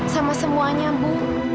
sama semuanya bu